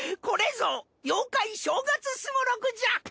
これぞ妖怪正月すごろくじゃ。